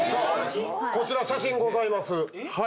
こちら写真ございます。